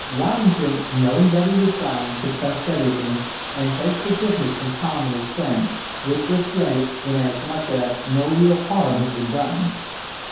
Waddington, knowing that he was dying, confessed everything, and begged forgiveness from Tom and his friends, which was granted, in as much as no real harm had been done.